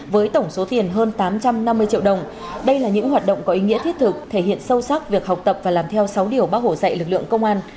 với tổng số tiền hơn tám trăm năm mươi triệu đồng đây là những hoạt động có ý nghĩa thiết thực thể hiện sâu sắc việc học tập và làm theo sáu điều bác hổ dạy lực lượng công an